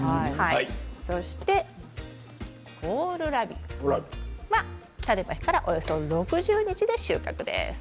そしてコールラビ、種まきからおよそ６０日で収穫です。